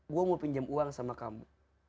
gue mau pinjam uang sama kamu